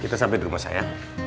kita sampai di rumah saya